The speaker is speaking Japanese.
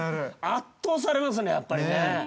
◆圧倒されますね、やっぱり。